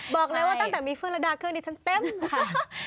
บอกเลยว่าตั้งแต่มีเพื่อนระดาเครื่องดิฉันเต็มค่ะ